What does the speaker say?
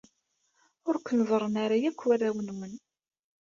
Ur ken-ẓerren ara akk warraw-nwen.